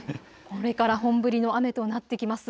これから本降りの雨となってきます。